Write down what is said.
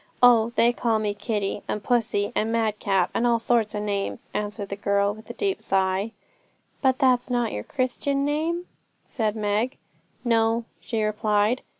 'Oh, they call me Kitty, and Puss, and Madcap, and all sorts o' names,' answered the girl, with a deep sigh. 'But that's not your christen name?' said Meg. 'No,' she replied.